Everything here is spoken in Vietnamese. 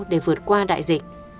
để vượt qua đại dịch